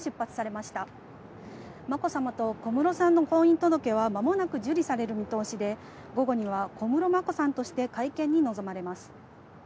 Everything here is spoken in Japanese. まこさまと小室さんの婚姻届は間もなく受理される見通しで、午後には小室まこさんとして会見に臨まれます。